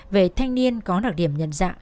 về thanh niên có đặc điểm nhận dạng